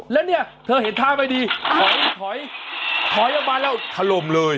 แล้วเนี่ยเธอเห็นท่าไม่ดีถอยถอยออกมาแล้วถล่มเลย